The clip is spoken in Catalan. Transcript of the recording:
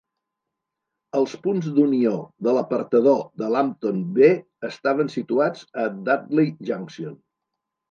Els punts d'unió de l'apartador de Lambton B estaven situats a Dudley Junction.